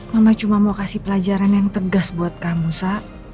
mama cuma mau kasih pelajaran yang tegas buat kamu sa